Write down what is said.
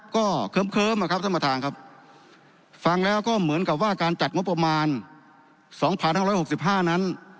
ก็เขิมเขิมอะครับท่านประธานครับฟังแล้วก็เหมือนกับว่าการจัดงบประมาณสองพันห้าร้อยหกสิบห้านั้น